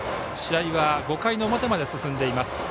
試合は５回の表まで進んでいます。